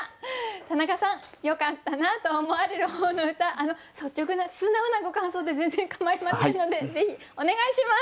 田中さんよかったなと思われる方の歌率直な素直なご感想で全然構いませんのでぜひお願いします。